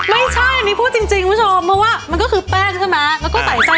ไม่ใช่เนี่ยพูดจริงผู้ชมเพราะว่ามันก็คือแป้งใช่ไหม